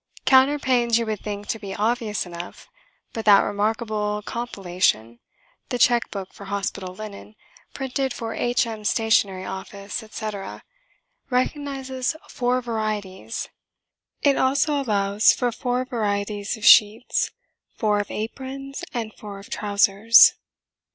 Counterpanes you would think to be obvious enough; but that remarkable compilation, the Check Book for Hospital Linen ("Printed for H.M. Stationery Office...." etc.), recognises four varieties. It also allows for four varieties of sheets, four of aprons and four of trousers.